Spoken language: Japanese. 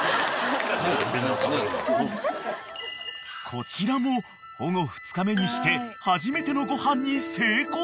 ［こちらも保護２日目にして初めてのごはんに成功］